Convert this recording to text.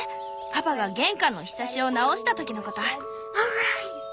パパが玄関のひさしを直した時のこと。